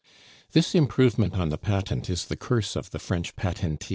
This "improvement on the patent" is the curse of the French patentee.